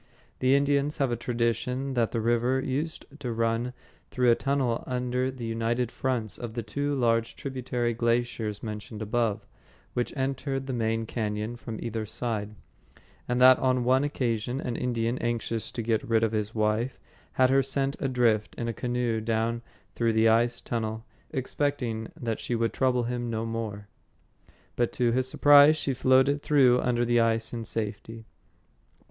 The Indians have a tradition that the river used to run through a tunnel under the united fronts of the two large tributary glaciers mentioned above, which entered the main cañon from either side; and that on one occasion an Indian, anxious to get rid of his wife, had her sent adrift in a canoe down through the ice tunnel, expecting that she would trouble him no more. But to his surprise she floated through under the ice in safety.